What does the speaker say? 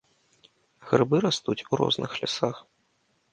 Грыбы растуць у розных лясах.